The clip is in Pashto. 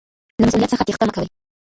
له مسؤلیت څخه تیښته مه کوئ.